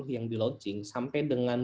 yang di launching sampai dengan